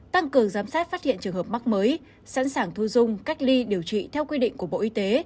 tăng cường giám sát phát hiện trường hợp mắc mới sẵn sàng thu dung cách ly điều trị theo quy định của bộ y tế